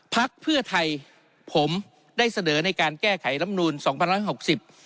พักเพื่อไทยผมได้เสนอในการแก้ไขลำนูนสองพันร้อยหกสิบ